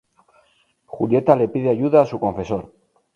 Julieta le pide ayuda a su confesor.